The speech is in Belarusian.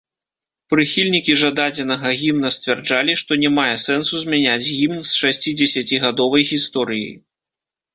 Прыхільнікі жа дадзенага гімна сцвярджалі, што не мае сэнсу змяняць гімн з шасцідзесяцігадовай гісторыяй.